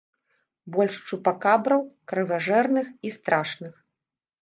Больш чупакабраў, крыважэрных і страшных!